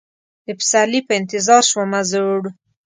د پسرلي په انتظار شومه زوړ